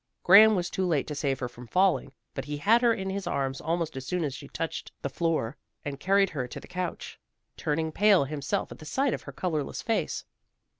Graham was too late to save her from falling, but he had her in his arms almost as soon as she touched the floor, and carried her to the couch, turning pale himself at the sight of her colorless face.